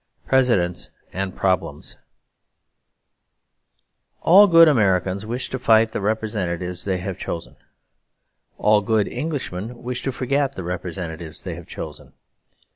Presidents and Problems All good Americans wish to fight the representatives they have chosen. All good Englishmen wish to forget the representatives they have chosen.